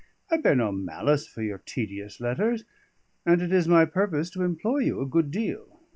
I bear no malice for your tedious letters; and it is my purpose to employ you a good deal.